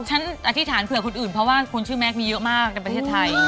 อธิษฐานเผื่อคนอื่นเพราะว่าคนชื่อแม็กซมีเยอะมากในประเทศไทย